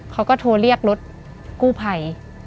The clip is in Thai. เขาก็โทรเรียกรถกู้ภัย